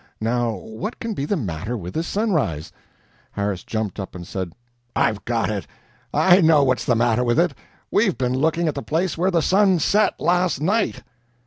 Now what can be the matter with this sunrise?" Harris jumped up and said: "I've got it! I know what's the matter with it! We've been looking at the place where the sun SET last night!"